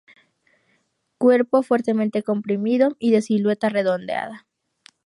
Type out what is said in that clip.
Cuerpo fuertemente comprimido y de silueta redondeada.